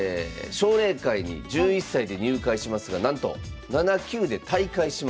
奨励会に１１歳で入会しますがなんと７級で退会します。